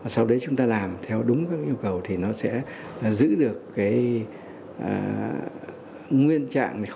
sau đấy chúng ta làm theo đúng các yêu cầu thì nó sẽ giữ được cái nguyên trạng